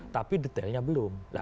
tapi detailnya belum